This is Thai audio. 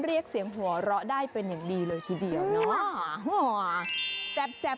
เรียกเสียงหัวเราะได้เป็นอย่างดีเลยทีเดียวเนาะ